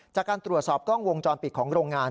จากการตรวจสอบกล้องวงจรปิดของโรงงาน